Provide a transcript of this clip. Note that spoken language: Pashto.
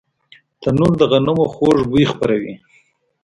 تنور د غنمو خوږ بوی خپروي